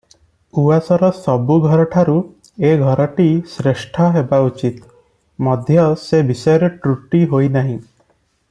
ଉଆସର ସବୁ ଘରଠାରୁ ଏ ଘରଟି ଶ୍ରେଷ୍ଠ ହେବାର ଉଚିତ, ମଧ୍ୟ ସେ ବିଷୟରେ ତ୍ରୁଟି ହୋଇନାହିଁ ।